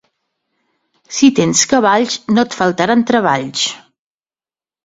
Si tens cavalls no et faltaran treballs.